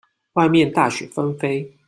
外面大雪紛飛